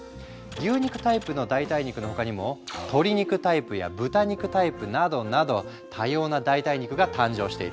牛肉タイプの代替肉の他にも鶏肉タイプや豚肉タイプなどなど多様な代替肉が誕生している。